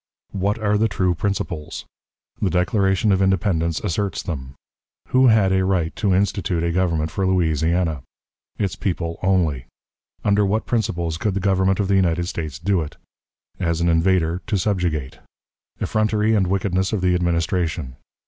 What are the True Principles? The Declaration of Independence asserts them. Who had a Right to institute a Government for Louisiana? Its People only. Under what Principles could the Government of the United States do it? As an Invader to subjugate. Effrontery and Wickedness of the Administration.